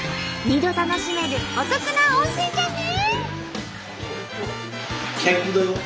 ２度楽しめるお得な温泉じゃね！